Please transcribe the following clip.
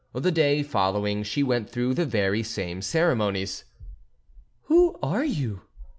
The day following she went through the very same ceremonies. "Who are you?"